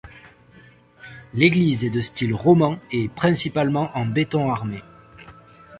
L’église est de style roman, et principalement en béton armé.